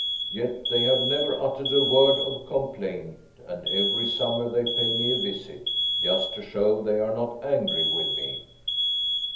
Yet they have never uttered a word of complaint and every summer they pay me a visit, just to show they are not angry with me."